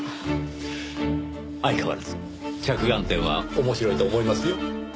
相変わらず着眼点は面白いと思いますよ。